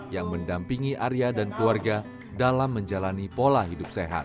yang mendampingi arya dan keluarga dalam menjalani pola hidup sehat